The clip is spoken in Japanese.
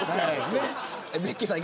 ベッキーさん